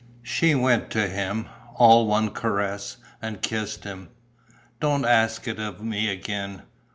She went to him, all one caress, and kissed him: "Don't ask it of me again.